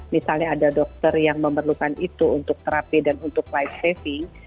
misalnya ada dokter yang memerlukan itu untuk terapi dan untuk life saving